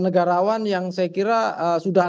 negarawan yang saya kira sudah